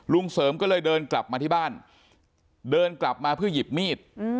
เสริมก็เลยเดินกลับมาที่บ้านเดินกลับมาเพื่อหยิบมีด